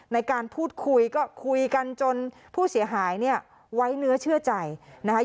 ในการพูดคุยก็คุยกันจนผู้เสียหายเนี่ยไว้เนื้อเชื่อใจนะคะ